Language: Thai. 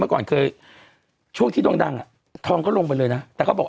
ก่อนเคยช่วงที่โด่งดังอ่ะทองก็ลงไปเลยนะแต่เขาบอก